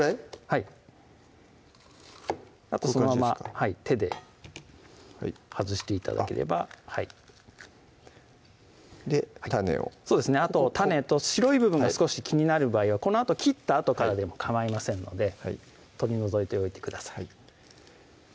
はいあとそのまま手で外して頂ければで種をそうですねあと種と白い部分が少し気になる場合はこのあと切ったあとからでもかまいませんので取り除いておいてください